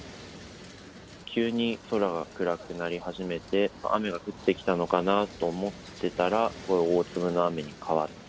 急に空が暗くなり始めて、雨が降ってきたのかなと思ってたら、大粒の雨に変わって、